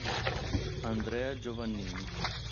Andrea Giovannini